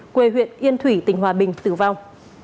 quê huyện yên thủy tỉnh hòa bình tử vong